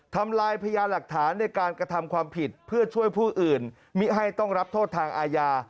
ทำลายพญาหลักฐานในการกระทำความผิดเพื่อช่วยผู้อื่นมิให้ต้องรับโทษทางอาญา